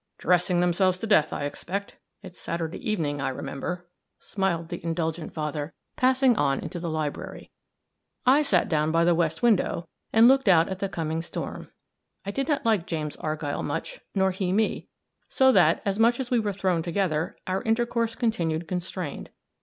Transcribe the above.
"Dressing themselves to death, I expect it's Saturday evening, I remember," smiled the indulgent father, passing on into the library. I sat down by the west window, and looked out at the coming storm. I did not like James Argyll much, nor he me; so that, as much as we were thrown together, our intercourse continued constrained.